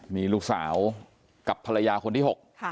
มีลูกสาวกับภรรยาคนที่๖